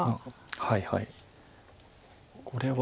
はいはい。